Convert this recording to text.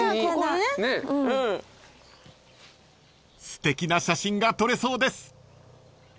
［すてきな写真が撮れそうです］